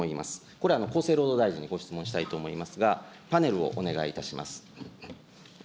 これ、厚生労働大臣にご質問したいと思いますが、パネルをお願いいたします。